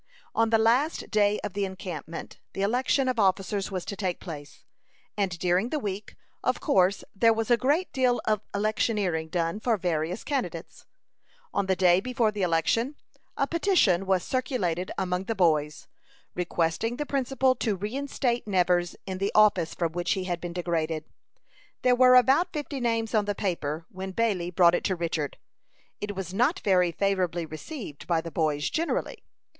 On the last day of the encampment, the election of officers was to take place, and during the week, of course there was a great deal of electioneering done for various candidates. On the day before the election, a petition was circulated among the boys, requesting the principal to reinstate Nevers in the office from which he had been degraded. There were about fifty names on the paper when Bailey brought it to Richard. It was not very favorably received by the boys generally.